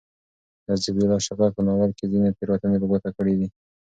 ذبیح الله شفق په ناول کې ځینې تېروتنې په ګوته کړي دي.